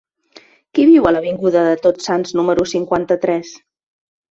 Qui viu a l'avinguda de Tots Sants número cinquanta-tres?